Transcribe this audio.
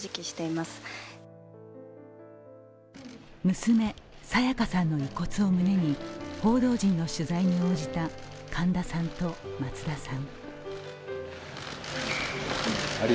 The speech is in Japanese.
娘・沙也加さんの遺骨を胸に報道陣の取材に応じた神田さんと松田さん。